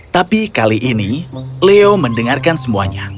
tapi kali ini leo mendengarkan semuanya